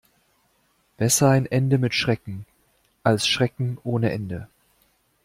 Besser ein Ende mit Schrecken, als Schrecken ohne Ende.